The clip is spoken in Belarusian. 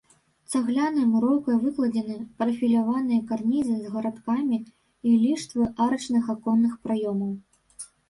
Цаглянай муроўкай выкладзены прафіляваныя карнізы з гарадкамі і ліштвы арачных аконных праёмаў.